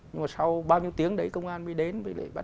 nhưng mà sau bao nhiêu tiếng đấy công an mới đến